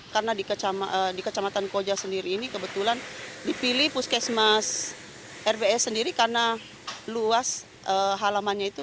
karena di kecamatan koja sendiri ini kebetulan dipilih puskesmas rbs sendiri karena luas halamannya itu